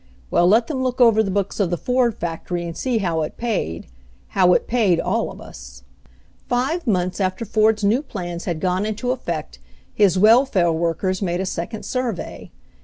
Well, let them look over the books of the Ford factory and see how it paid — how it paid all of us." Five months after Ford's new plans had gone into effect his welfare workers made a second survey.